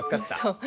そう。